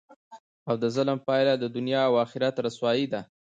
او دظلم پایله د دنیا او اخرت رسوايي ده،